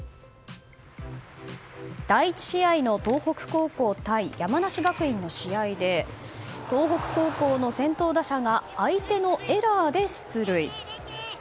第１試合の東北高校対山梨学院の試合で東北高校の先頭打者が相手のエラーで出塁。